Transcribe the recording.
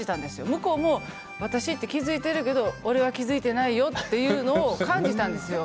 向こうも私と気付いているんだけど俺は気付いていないよというのを感じたんですよ。